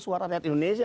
suara net indonesia